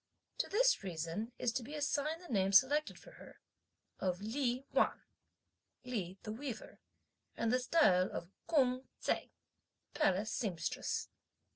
To this reason is to be assigned the name selected for her, of Li Wan (Li, the weaver), and the style of Kung Ts'ai (Palace Sempstress).